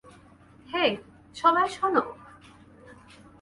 হেই, সবাই শোন।